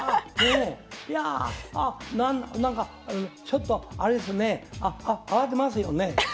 いやあなんかちょっとあれですね慌てますよね。